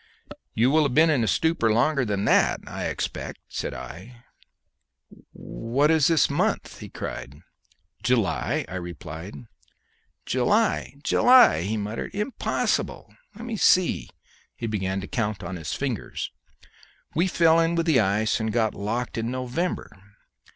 "You will have been in a stupor longer than that, I expect," said I. "What is this month?" he cried. "July," I replied. "July July!" he muttered. "Impossible! Let me see" he began to count on his fingers "we fell in with the ice and got locked in November.